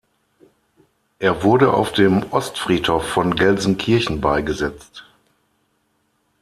Er wurde auf dem Ostfriedhof von Gelsenkirchen beigesetzt.